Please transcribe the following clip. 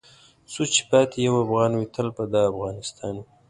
څو چې پاتې یو افغان وې تل به دا افغانستان وې .